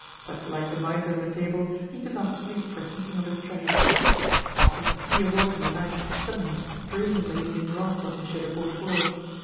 But like the miser in the fable, he could not sleep for thinking of his treasure. Often he awoke in the night, suddenly, dreaming that he had been robbed of Monsieur de Beaufort.